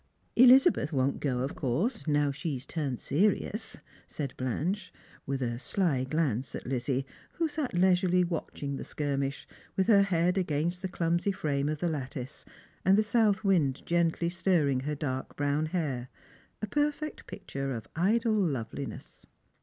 " Elizabeth won't go, of course, now she's turned serious,'* said Blanche, with a sly glance at Lizzie, who sat leisurely watching the skirmish, with her head against the clumsy frame of the lattice, and the south wind gently stirring her dark brown hair, a perfect picture of idle loveliness.